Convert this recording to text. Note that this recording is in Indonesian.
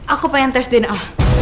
aku pengen tes dna